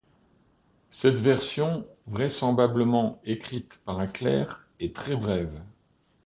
Cette version, vraisemblablement écrite par un clerc, est très brève.